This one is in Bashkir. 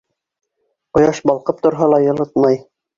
Ҡояш балҡып торһа ла, йылытмай.